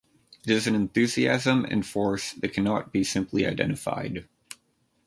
It is an enthusiasm and force that cannot be simply identified.